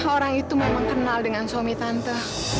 orang itu memang kenal dengan suami tante